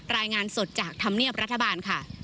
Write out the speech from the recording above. รายงานสดจากธรรมเนียบรัฐบาลค่ะ